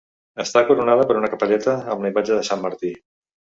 Està coronada per una capelleta amb la imatge de Sant Martí.